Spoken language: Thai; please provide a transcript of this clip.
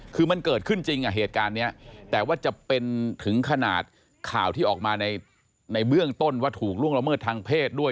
คือมันเกิดขึ้นจริงอ่ะเหตุการณ์นี้แต่ว่าจะเป็นถึงขนาดข่าวที่ออกมาในเบื้องต้นว่าถูกล่วงละเมิดทางเพศด้วย